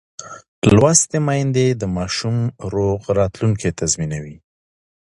لوستې میندې د ماشوم روغ راتلونکی تضمینوي.